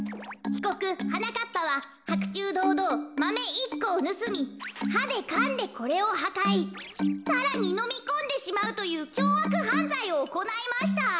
ひこくはなかっぱははくちゅうどうどうマメ１こをぬすみはでかんでこれをはかいさらにのみこんでしまうというきょうあくはんざいをおこないました。